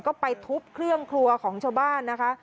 ก็ไปทุบเครื่องครัวของชาวบ้านนะคะ